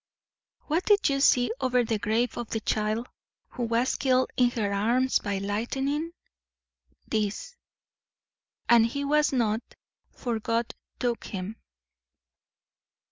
"What did you see over the grave of the child who was killed in her arms by lightning?" "This: "'And he was not, for God took him.'"